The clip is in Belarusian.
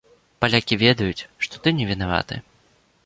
Палякі ведаюць, што ты невінаваты.